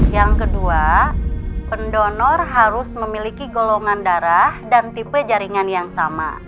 yang kedua pendonor harus memiliki golongan darah dan tipe jaringan yang sama